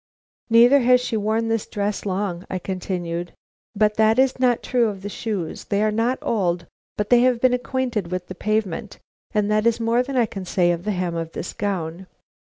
"Neither has she worn this dress long," I continued; "but that is not true of the shoes. They are not old, but they have been acquainted with the pavement, and that is more than can be said of the hem of this gown.